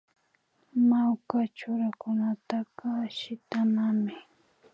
Mawka churanakunataka shitanami